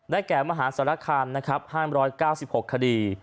ในแก่มหาศาลคาม๕๙๖คดี